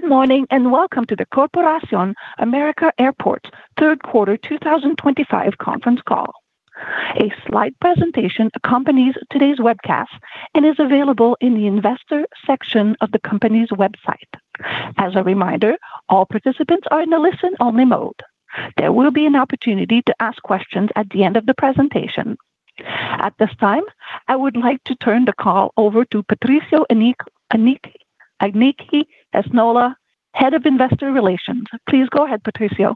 Good morning and welcome to the Corporación América Airports Third Quarter 2025 Conference Call. A slide presentation accompanies today's webcast and is available in the investor section of the company's website. As a reminder, all participants are in a listen-only mode. There will be an opportunity to ask questions at the end of the presentation. At this time, I would like to turn the call over to Patricio Iñaki Esnaola, Head of Investor Relations. Please go ahead, Patricio.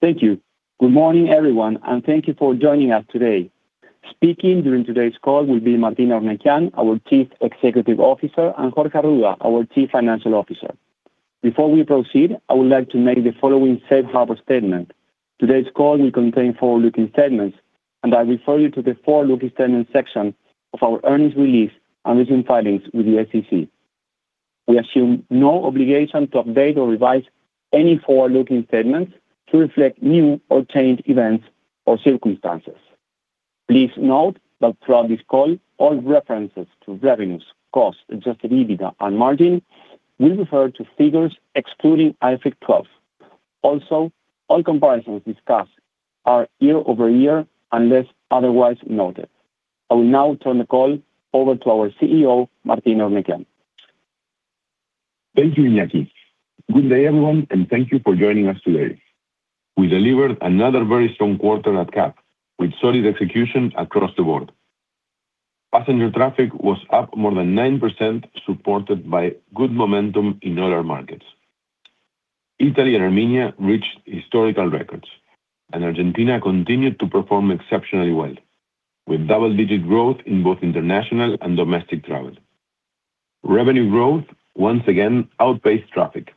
Thank you. Good morning, everyone, and thank you for joining us today. Speaking during today's call will be Martín Eurnekian, our Chief Executive Officer, and Jorge Arruda, our Chief Financial Officer. Before we proceed, I would like to make the following safe harbor statement. Today's call will contain forward-looking statements, and I refer you to the forward-looking statements section of our earnings release and recent filings with the SEC. We assume no obligation to update or revise any forward-looking statements to reflect new or changed events or circumstances. Please note that throughout this call, all references to revenues, costs, adjusted EBITDA, and margin will refer to figures excluding IFRIC 12. Also, all comparisons discussed are year-over-year unless otherwise noted. I will now turn the call over to our CEO, Martín Eurnekian. Thank you, Iñaki. Good day, everyone, and thank you for joining us today. We delivered another very strong quarter at CAAP, with solid execution across the board. Passenger traffic was up more than 9%, supported by good momentum in other markets. Italy and Armenia reached historical records, and Argentina continued to perform exceptionally well, with double-digit growth in both international and domestic travel. Revenue growth once again outpaced traffic,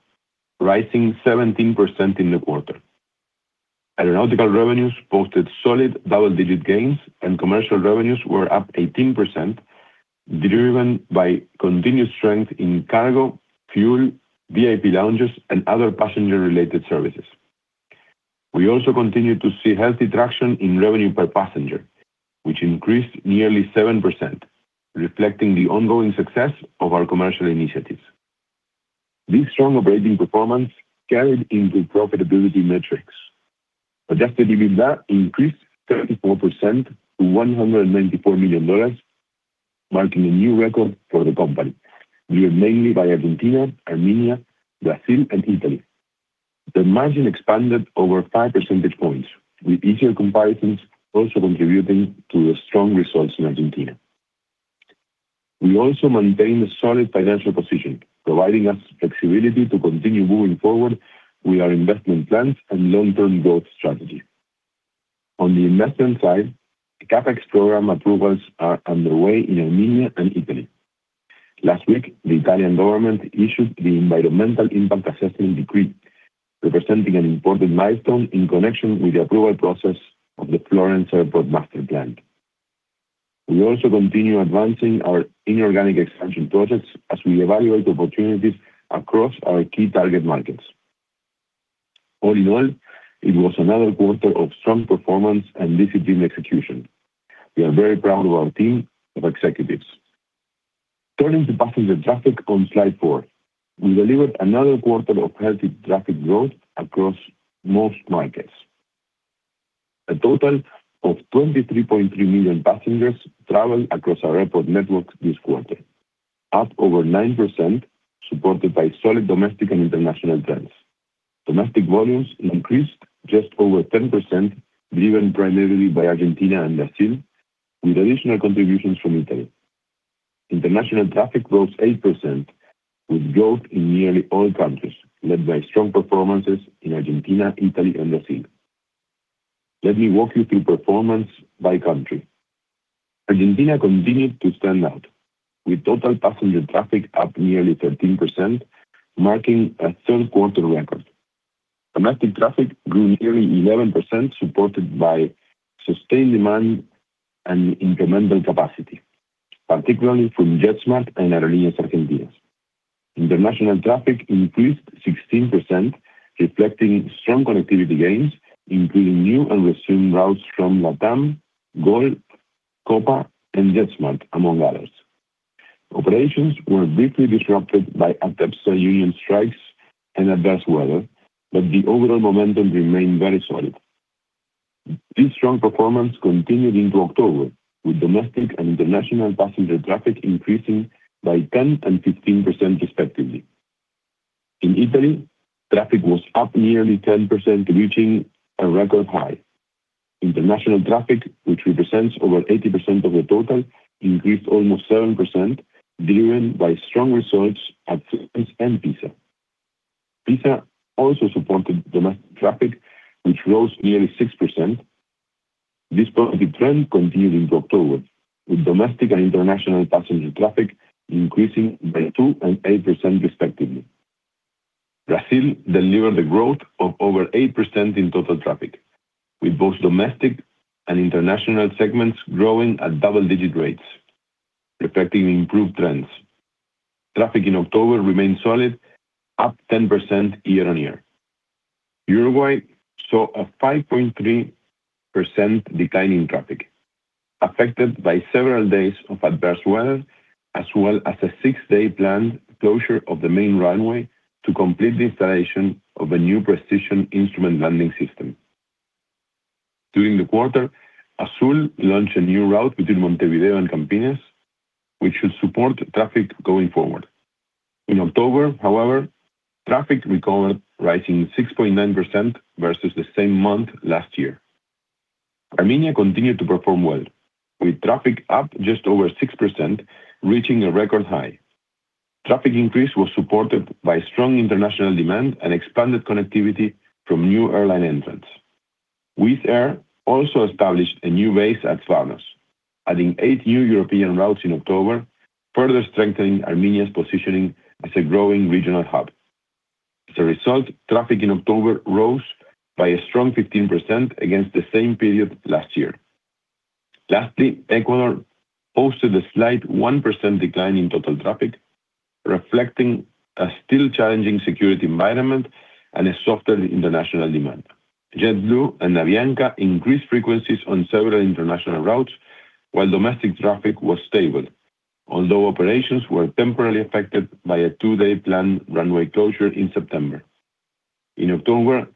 rising 17% in the quarter. Aeronautical revenues posted solid double-digit gains, and commercial revenues were up 18%, driven by continued strength in cargo, fuel, VIP lounges, and other passenger-related services. We also continued to see healthy traction in revenue per passenger, which increased nearly 7%, reflecting the ongoing success of our commercial initiatives. This strong operating performance carried into profitability metrics. Adjusted EBITDA increased 34% to $194 million, marking a new record for the company, driven mainly by Argentina, Armenia, Brazil, and Italy. The margin expanded over 5 percentage points, with easier comparisons also contributing to the strong results in Argentina. We also maintained a solid financial position, providing us flexibility to continue moving forward with our investment plans and long-term growth strategy. On the investment side, CapEx program approvals are underway in Armenia and Italy. Last week, the Italian government issued the Environmental Impact Assessment Decree, representing an important milestone in connection with the approval process of the Florence Airport Master Plan. We also continue advancing our inorganic expansion projects as we evaluate opportunities across our key target markets. All in all, it was another quarter of strong performance and disciplined execution. We are very proud of our team of executives. Turning to passenger traffic on slide four, we delivered another quarter of healthy traffic growth across most markets. A total of 23.3 million passengers traveled across our airport network this quarter, up over 9%, supported by solid domestic and international trends. Domestic volumes increased just over 10%, driven primarily by Argentina and Brazil, with additional contributions from Italy. International traffic rose 8%, with growth in nearly all countries, led by strong performances in Argentina, Italy, and Brazil. Let me walk you through performance by country. Argentina continued to stand out, with total passenger traffic up nearly 13%, marking a third-quarter record. Domestic traffic grew nearly 11%, supported by sustained demand and incremental capacity, particularly from JetSMART and Aerolíneas Argentinas. International traffic increased 16%, reflecting strong connectivity gains, including new and resumed routes from LATAM, GOL, COPA, and JetSMART, among others. Operations were briefly disrupted by ATEPSA union strikes and adverse weather, but the overall momentum remained very solid. This strong performance continued into October, with domestic and international passenger traffic increasing by 10% and 15%, respectively. In Italy, traffic was up nearly 10%, reaching a record high. International traffic, which represents over 80% of the total, increased almost 7%, driven by strong results at Florence and Pisa. Pisa also supported domestic traffic, which rose nearly 6%. This positive trend continued into October, with domestic and international passenger traffic increasing by 2% and 8%, respectively. Brazil delivered a growth of over 8% in total traffic, with both domestic and international segments growing at double-digit rates, reflecting improved trends. Traffic in October remained solid, up 10% year-on-year. Uruguay saw a 5.3% decline in traffic, affected by several days of adverse weather, as well as a six-day planned closure of the main runway to complete the installation of a new precision instrument landing system. During the quarter, Azul launched a new route between Montevideo and Campinas, which should support traffic going forward. In October, however, traffic recovered, rising 6.9% versus the same month last year. Armenia continued to perform well, with traffic up just over 6%, reaching a record high. Traffic increase was supported by strong international demand and expanded connectivity from new airline entrants. Wizz Air also established a new base at Zvartnots, adding eight new European routes in October, further strengthening Armenia's positioning as a growing regional hub. As a result, traffic in October rose by a strong 15% against the same period last year. Lastly, Ecuador posted a slight 1% decline in total traffic, reflecting a still challenging security environment and a softer international demand. JetBlue and Avianca increased frequencies on several international routes, while domestic traffic was stable, although operations were temporarily affected by a two-day planned runway closure in September. In October,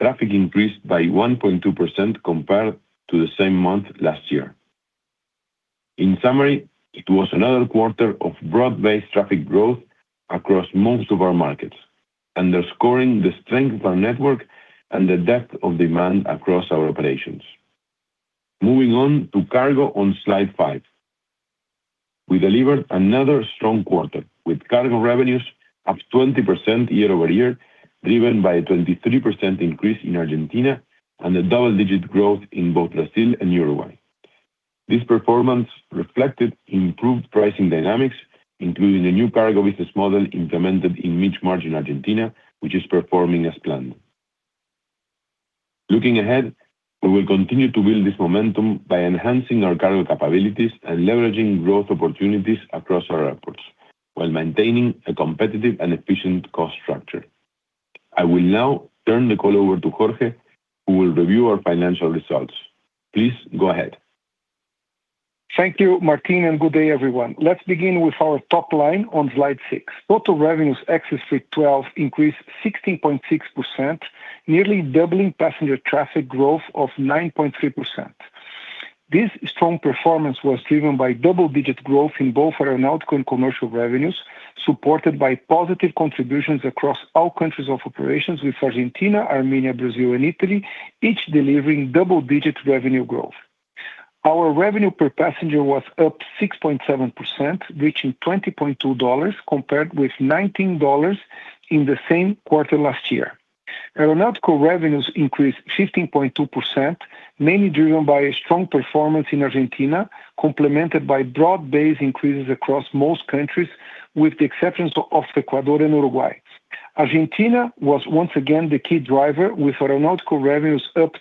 traffic increased by 1.2% compared to the same month last year. In summary, it was another quarter of broad-based traffic growth across most of our markets, underscoring the strength of our network and the depth of demand across our operations. Moving on to cargo on slide five, we delivered another strong quarter, with cargo revenues up 20% year-over-year, driven by a 23% increase in Argentina and a double-digit growth in both Brazil and Uruguay. This performance reflected improved pricing dynamics, including a new cargo business model implemented in mixed margin Argentina, which is performing as planned. Looking ahead, we will continue to build this momentum by enhancing our cargo capabilities and leveraging growth opportunities across our airports while maintaining a competitive and efficient cost structure. I will now turn the call over to Jorge, who will review our financial results. Please go ahead. Thank you, Martín, and good day, everyone. Let's begin with our top line on slide six. Total revenues ex IFRIC 12 increased 16.6%, nearly doubling passenger traffic growth of 9.3%. This strong performance was driven by double-digit growth in both aeronautical and commercial revenues, supported by positive contributions across all countries of operations, with Argentina, Armenia, Brazil, and Italy each delivering double-digit revenue growth. Our revenue per passenger was up 6.7%, reaching $20.2, compared with $19 in the same quarter last year. Aeronautical revenues increased 15.2%, mainly driven by a strong performance in Argentina, complemented by broad-based increases across most countries, with the exceptions of Ecuador and Uruguay. Argentina was once again the key driver, with aeronautical revenues up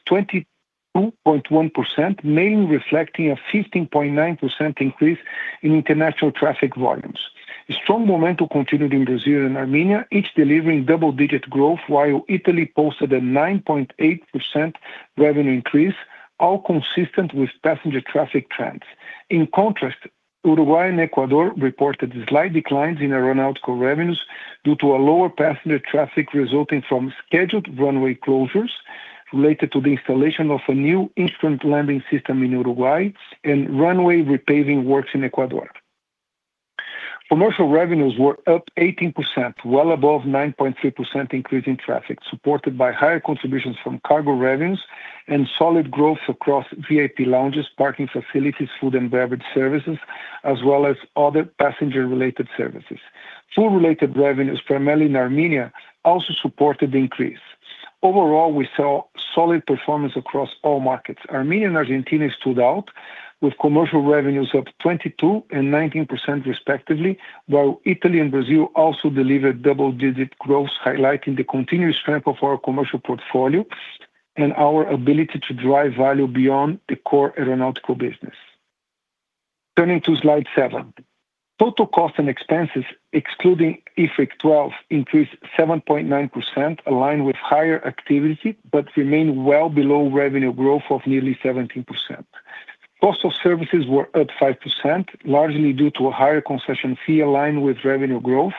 22.1%, mainly reflecting a 15.9% increase in international traffic volumes. Strong momentum continued in Brazil and Armenia, each delivering double-digit growth, while Italy posted a 9.8% revenue increase, all consistent with passenger traffic trends. In contrast, Uruguay and Ecuador reported slight declines in aeronautical revenues due to a lower passenger traffic resulting from scheduled runway closures related to the installation of a new instrument landing system in Uruguay and runway repaving works in Ecuador. Commercial revenues were up 18%, well above the 9.3% increase in traffic, supported by higher contributions from cargo revenues and solid growth across VIP lounges, parking facilities, food and beverage services, as well as other passenger-related services. Food-related revenues, primarily in Armenia, also supported the increase. Overall, we saw solid performance across all markets. Armenia and Argentina stood out, with commercial revenues up 22% and 19%, respectively, while Italy and Brazil also delivered double-digit growth, highlighting the continued strength of our commercial portfolio and our ability to drive value beyond the core aeronautical business. Turning to slide seven, total cost and expenses, excluding IFRIC 12, increased 7.9%, aligned with higher activity but remained well below revenue growth of nearly 17%. Cost of services were up 5%, largely due to a higher concession fee aligned with revenue growth,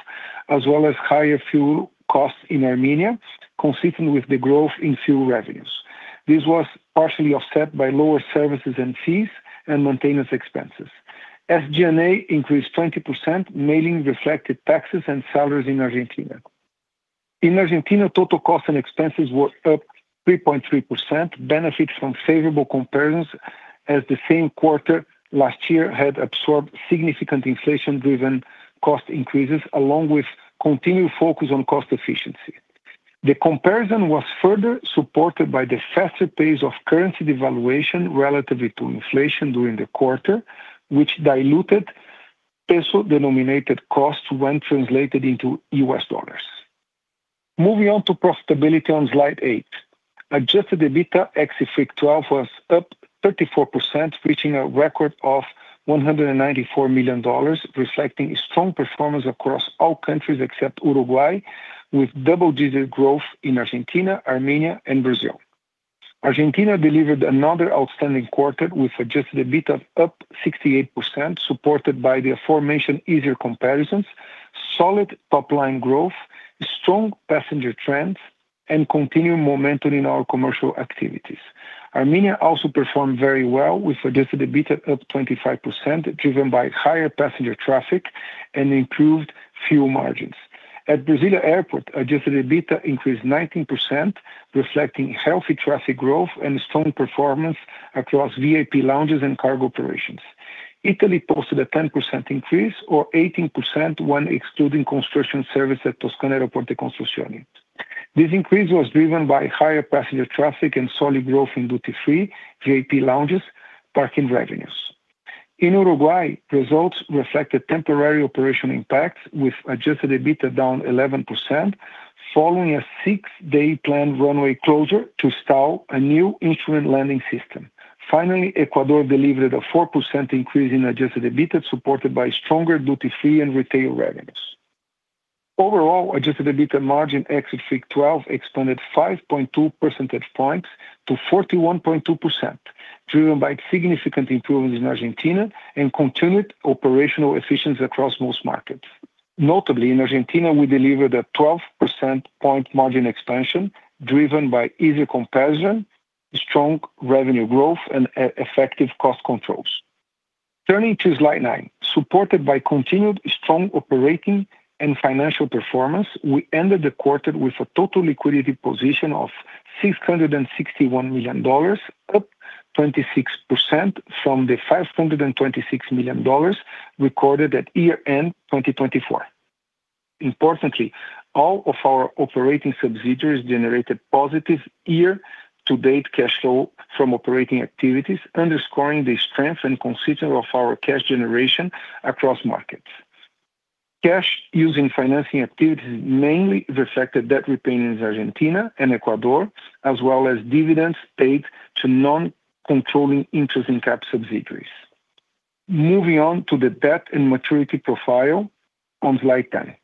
as well as higher fuel costs in Armenia, consistent with the growth in fuel revenues. This was partially offset by lower services and fees and maintenance expenses. SG&A increased 20%, mainly reflecting taxes and salaries in Argentina. In Argentina, total cost and expenses were up 3.3%, benefiting from favorable comparisons as the same quarter last year had absorbed significant inflation-driven cost increases, along with continued focus on cost efficiency. The comparison was further supported by the faster pace of currency devaluation relative to inflation during the quarter, which diluted peso-denominated costs when translated into U.S. dollars. Moving on to profitability on slide eight, adjusted EBITDA ex IFRIC 12 was up 34%, reaching a record of $194 million, reflecting strong performance across all countries except Uruguay, with double-digit growth in Argentina, Armenia, and Brazil. Argentina delivered another outstanding quarter with adjusted EBITDA up 68%, supported by the aforementioned easier comparisons, solid top-line growth, strong passenger trends, and continued momentum in our commercial activities. Armenia also performed very well with adjusted EBITDA up 25%, driven by higher passenger traffic and improved fuel margins. At Brazil Airport, adjusted EBITDA increased 19%, reflecting healthy traffic growth and strong performance across VIP lounges and cargo operations. Italy posted a 10% increase, or 18% when excluding construction service at Toscana Aeroporti Costruzioni. This increase was driven by higher passenger traffic and solid growth in duty-free VIP lounges, parking revenues. In Uruguay, results reflected temporary operational impacts, with adjusted EBITDA down 11%, following a six-day planned runway closure to install a new instrument landing system. Finally, Ecuador delivered a 4% increase in adjusted EBITDA, supported by stronger duty-free and retail revenues. Overall, adjusted EBITDA margin excess for 12 expanded 5.2 percentage points to 41.2%, driven by significant improvements in Argentina and continued operational efficiency across most markets. Notably, in Argentina, we delivered a 12 percentage point margin expansion, driven by easier comparison, strong revenue growth, and effective cost controls. Turning to slide nine, supported by continued strong operating and financial performance, we ended the quarter with a total liquidity position of $661 million, up 26% from the $526 million recorded at year-end 2024. Importantly, all of our operating subsidiaries generated positive year-to-date cash flow from operating activities, underscoring the strength and consistency of our cash generation across markets. Cash used in financing activities mainly reflected debt repayments in Argentina and Ecuador, as well as dividends paid to non-controlling interest-in-cap subsidiaries. Moving on to the debt and maturity profile on slide ten.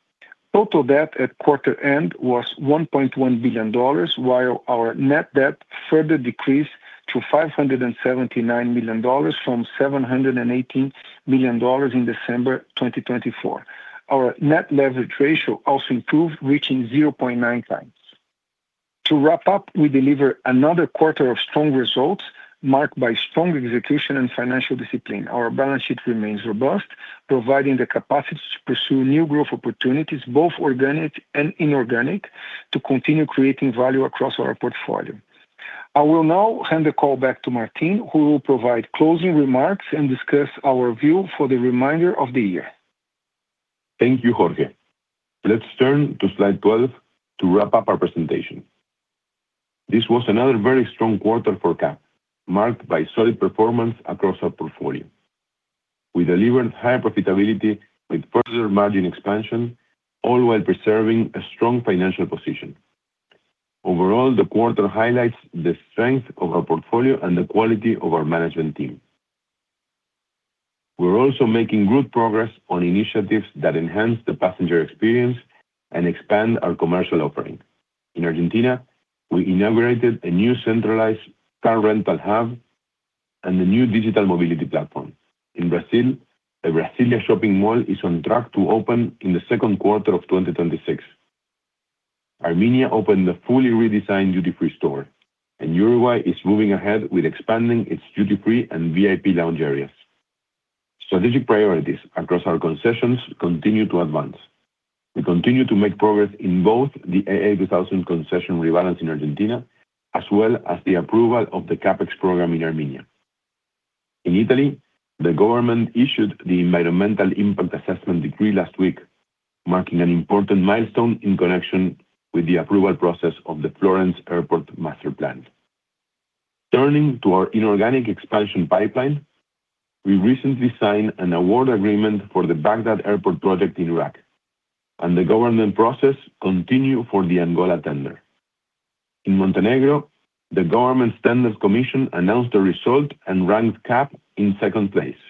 Total debt at quarter-end was $1.1 billion, while our net debt further decreased to $579 million from $718 million in December 2024. Our net leverage ratio also improved, reaching 0.9 times. To wrap up, we delivered another quarter of strong results, marked by strong execution and financial discipline. Our balance sheet remains robust, providing the capacity to pursue new growth opportunities, both organic and inorganic, to continue creating value across our portfolio. I will now hand the call back to Martín, who will provide closing remarks and discuss our view for the remainder of the year. Thank you, Jorge. Let's turn to slide 12 to wrap up our presentation. This was another very strong quarter for CAAP, marked by solid performance across our portfolio. We delivered high profitability with further margin expansion, all while preserving a strong financial position. Overall, the quarter highlights the strength of our portfolio and the quality of our management team. We're also making good progress on initiatives that enhance the passenger experience and expand our commercial offering. In Argentina, we inaugurated a new centralized car rental hub and a new digital mobility platform. In Brazil, a Brazilian shopping mall is on track to open in the second quarter of 2026. Armenia opened a fully redesigned duty-free store, and Uruguay is moving ahead with expanding its duty-free and VIP lounge areas. Strategic priorities across our concessions continue to advance. We continue to make progress in both the AA2000 concession rebalance in Argentina, as well as the approval of the CapEx program in Armenia. In Italy, the government issued the Environmental Impact Assessment decree last week, marking an important milestone in connection with the approval process of the Florence Airport Master Plan. Turning to our inorganic expansion pipeline, we recently signed an award agreement for the Baghdad Airport project in Iraq, and the government process continued for the Angola tender. In Montenegro, the government's tenders commission announced the result and ranked CAAP in second place.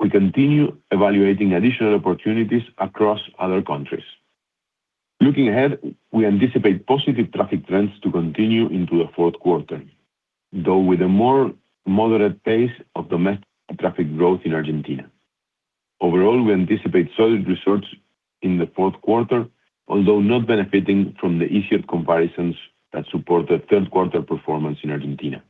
We continue evaluating additional opportunities across other countries. Looking ahead, we anticipate positive traffic trends to continue into the fourth quarter, though with a more moderate pace of domestic traffic growth in Argentina. Overall, we anticipate solid results in the fourth quarter, although not benefiting from the easier comparisons that supported third-quarter performance in Argentina.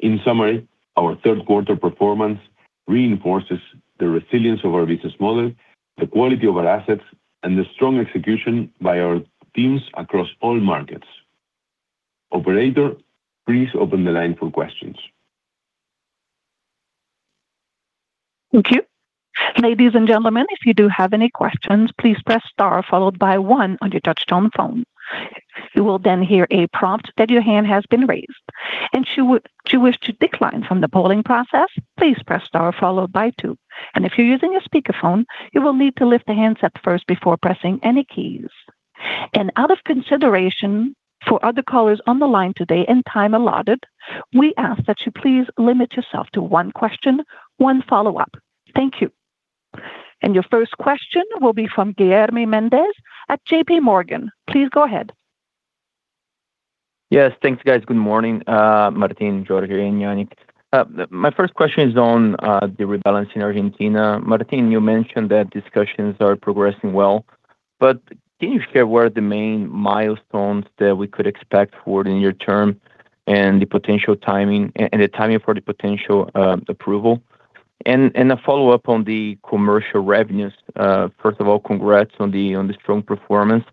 In summary, our third-quarter performance reinforces the resilience of our business model, the quality of our assets, and the strong execution by our teams across all markets. Operator, please open the line for questions. Thank you. Ladies and gentlemen, if you do have any questions, please press star followed by one on your touchstone phone. You will then hear a prompt that your hand has been raised. Should you wish to decline from the polling process, please press star followed by two. If you're using a speakerphone, you will need to lift the hands up first before pressing any keys. Out of consideration for other callers on the line today and time allotted, we ask that you please limit yourself to one question, one follow-up. Thank you. Your first question will be from Guilherme Mendes at JPMorgan. Please go ahead. Yes, thanks, guys. Good morning, Martín, Jorge, and Iñaki. My first question is on the rebalance in Argentina. Martín, you mentioned that discussions are progressing well, but can you share what are the main milestones that we could expect for the near term and the potential timing and the timing for the potential approval? A follow-up on the commercial revenues. First of all, congrats on the strong performance.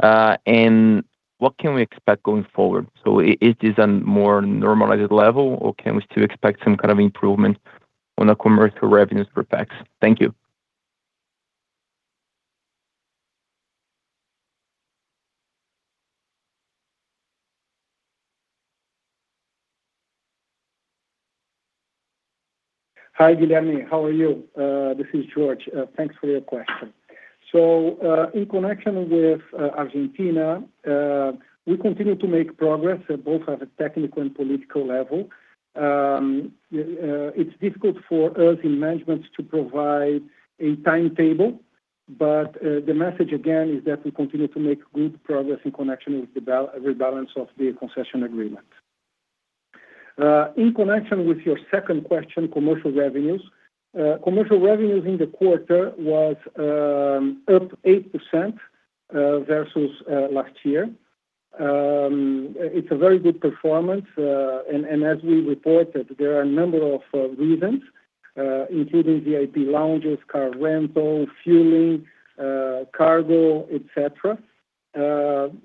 What can we expect going forward? Is this a more normalized level, or can we still expect some kind of improvement on the commercial revenues perpecs? Thank you. Hi, Guilherme. How are you? This is Jorge. Thanks for your question. In connection with Argentina, we continue to make progress at both a technical and political level. It's difficult for us in management to provide a timetable, but the message, again, is that we continue to make good progress in connection with the rebalance of the concession agreement. In connection with your second question, commercial revenues, commercial revenues in the quarter was up 8% versus last year. It's a very good performance. As we reported, there are a number of reasons, including VIP lounges, car rental, fueling, cargo, etc.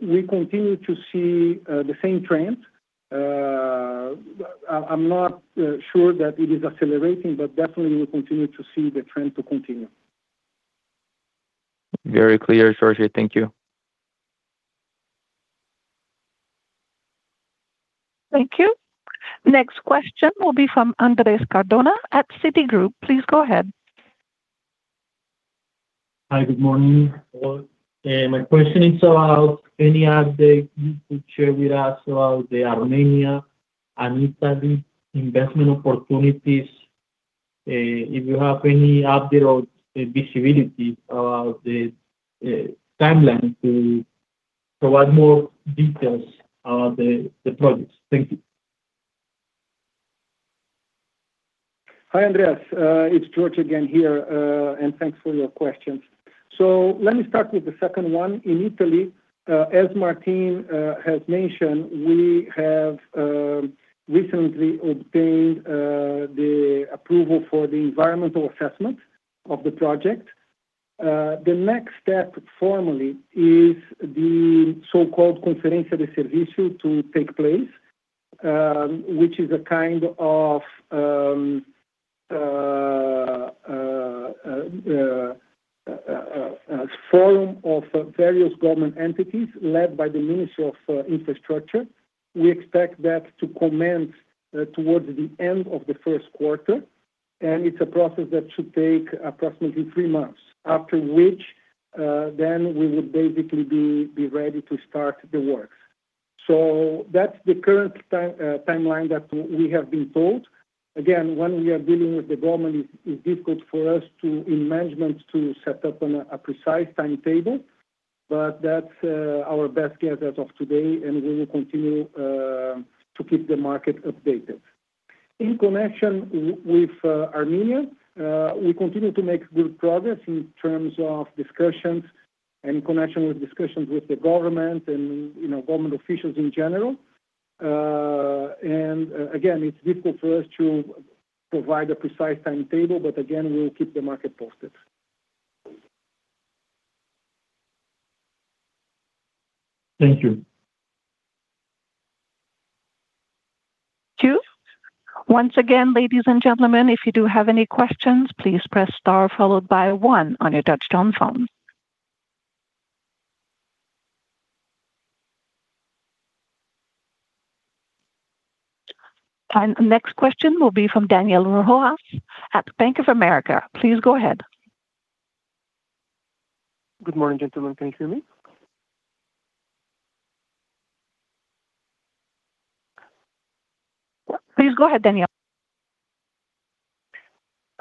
We continue to see the same trend. I'm not sure that it is accelerating, but definitely, we continue to see the trend to continue. Very clear, Jorge. Thank you. Thank you. Next question will be from Andrés Cardona at Citigroup. Please go ahead. Hi, good morning. My question is about any update you could share with us about the Armenia and Italy investment opportunities. If you have any update or visibility about the timeline to provide more details about the projects. Thank you. Hi, Andrés. It's Jorge again here, and thanks for your questions. Let me start with the second one. In Italy, as Martín has mentioned, we have recently obtained the approval for the environmental assessment of the project. The next step formally is the so-called Conferenza di Servizi to take place, which is a kind of forum of various government entities led by the Ministry of Infrastructure. We expect that to commence towards the end of the first quarter. It is a process that should take approximately three months, after which we would basically be ready to start the works. That is the current timeline that we have been told. When we are dealing with the government, it is difficult for us in management to set up a precise timetable, but that is our best guess as of today, and we will continue to keep the market updated. In connection with Armenia, we continue to make good progress in terms of discussions and in connection with discussions with the government and government officials in general. Again, it's difficult for us to provide a precise timetable, but again, we'll keep the market posted. Thank you. Thank you. Once again, ladies and gentlemen, if you do have any questions, please press star followed by one on your touchstone phone. The next question will be from Daniel Rojas at Bank of America. Please go ahead. Good morning, gentlemen. Can you hear me? Please go ahead, Daniel.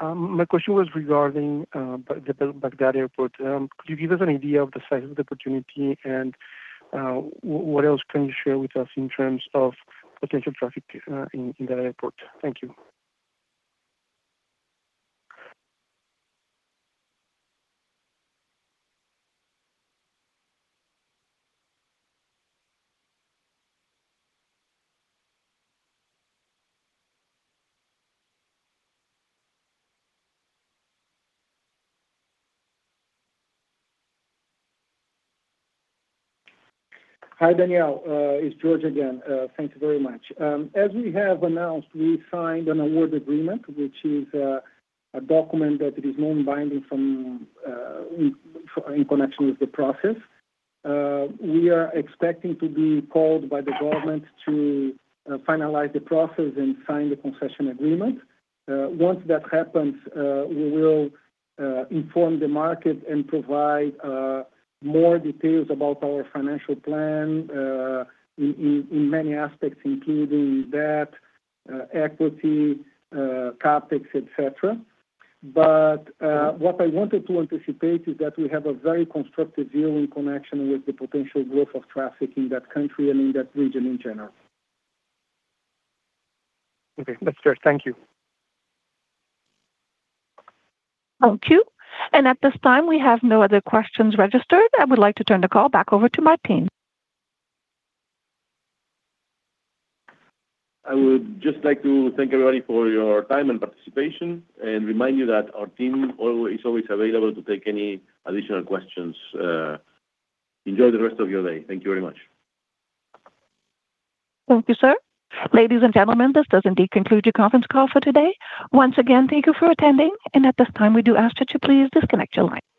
My question was regarding Baghdad Airport. Could you give us an idea of the size of the opportunity and what else can you share with us in terms of potential traffic in that airport? Thank you. Hi, Daniel. It's Jorge again. Thank you very much. As we have announced, we signed an award agreement, which is a document that is non-binding in connection with the process. We are expecting to be called by the government to finalize the process and sign the concession agreement. Once that happens, we will inform the market and provide more details about our financial plan in many aspects, including debt, equity, CapEx, etc. What I wanted to anticipate is that we have a very constructive view in connection with the potential growth of traffic in that country and in that region in general. Okay. That's Jorge. Thank you. Thank you. At this time, we have no other questions registered. I would like to turn the call back over to Martín. I would just like to thank everybody for your time and participation and remind you that our team is always available to take any additional questions. Enjoy the rest of your day. Thank you very much. Thank you, sir. Ladies and gentlemen, this does indeed conclude your conference call for today. Once again, thank you for attending. At this time, we do ask that you please disconnect your line.